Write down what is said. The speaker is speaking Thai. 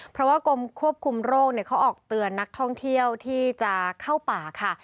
เพราะว่ากรมควบคุมโรคเขาออกเตือนนักท่องเที่ยวที่จะเข้าป่าค่ะ